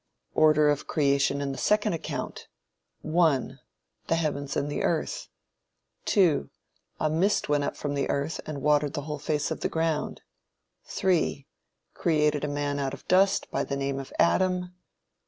Order of creation in the second account: 1. The heavens and the earth. 2. A mist went up from the earth, and watered the whole face of the ground. 3. Created a man out of dust, by the name of Adam.